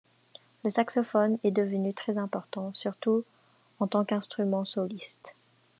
Le saxophone est devenu très important, surtout en tant qu'instrument soliste.